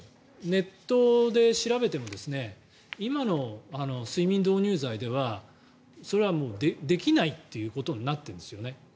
ネットで調べても今の睡眠導入剤ではそれはもうできないっていうことになっているんですよね。